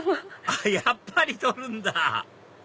あっやっぱり撮るんだ！